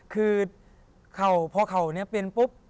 คือเข่าพอเข่านี้เปลี่ยนปุ๊บ